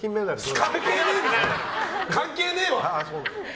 関係ねえわ！